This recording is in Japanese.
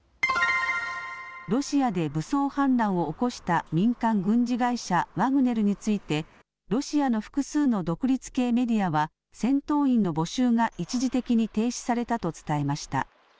ロシアで武装反乱を起こした民間軍事会社、ワグネルについてロシアの複数の独立系メディアは戦闘員の募集が一時的に停止されたと伝えました。